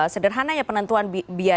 sederhananya penentuan biaya